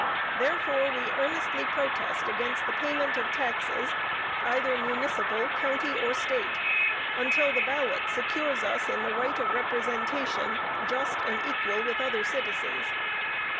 Therefore we earnestly protest against the payment of taxes, either Municipal, County, or State, until the ballot secures us in the right of representation, just and equal with other citizens.